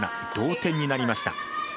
同点になりました。